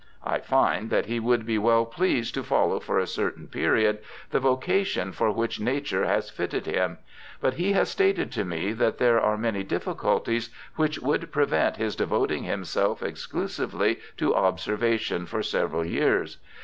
I find that he would be well pleased to follow for a certain period the vocation for which nature has fitted him ; but he has stated to me that there are many difficulties which would prevent his devoting himself exclusively to observation for several years.